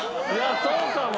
そうかも。